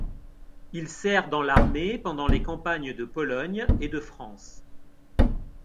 Il sert dans l'armée pendant les campagnes de Pologne et de France.